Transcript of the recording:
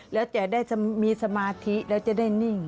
แล้วจะได้มีสมาธิแล้วจะได้นิ่ง